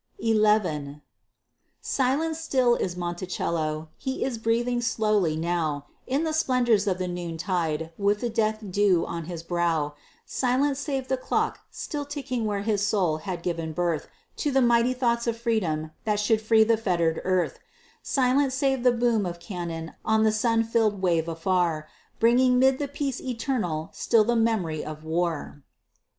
XI Silent still is Monticello he is breathing slowly now, In the splendors of the noon tide, with the death dew on his brow Silent save the clock still ticking where his soul had given birth To the mighty thoughts of freedom, that should free the fettered earth; Silent save the boom of cannon on the sun filled wave afar, Bringing 'mid the peace eternal still the memory of war.